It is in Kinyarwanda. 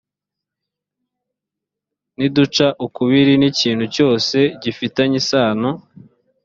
niduca ukubiri n ikintu cyose gifitanye isano